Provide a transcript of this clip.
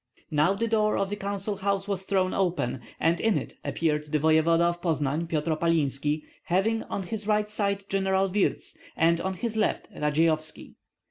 Now the door of the council house was thrown open, and in it appeared the voevoda of Poznan, Pan Opalinski, having on his right side General Wirtz, and on the left Radzeyovski.